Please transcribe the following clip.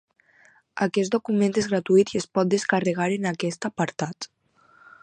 Aquest document és gratuït i es pot descarregar en aquest apartat.